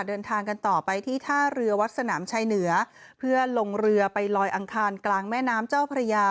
เดินทางกันต่อไปที่ท่าเรือวัดสนามชายเหนือเพื่อลงเรือไปลอยอังคารกลางแม่น้ำเจ้าพระยา